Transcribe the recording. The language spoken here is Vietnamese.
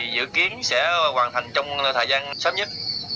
dự kiến sẽ hoàn thành trong thời gian sắp nhất